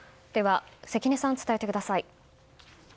関根さん、伝えてください。